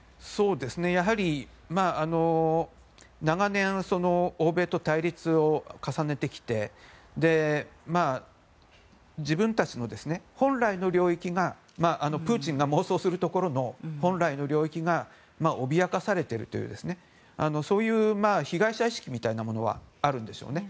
やはり、長年欧米と対立を重ねてきて自分たちの本来の領域プーチンが妄想するところの本来の領域が脅かされているというそういう被害者意識みたいなものはあるんでしょうね。